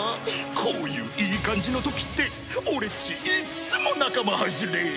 こういういい感じの時って俺っちいっつも仲間外れ。